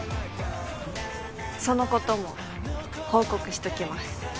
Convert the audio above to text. そのことも報告しときます。